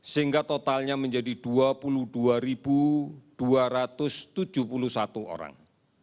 sehingga totalnya menjadi dua puluh dua dua ratus tujuh puluh satu orang